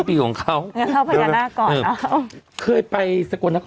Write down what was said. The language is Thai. สวัสดีครับคุณผู้ชม